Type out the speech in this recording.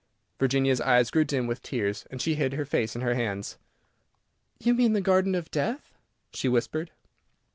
Virginia's eyes grew dim with tears, and she hid her face in her hands. "You mean the Garden of Death," she whispered.